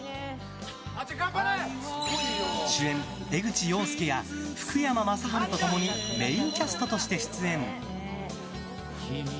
主演・江口洋介や福山雅治と共にメインキャストとして出演。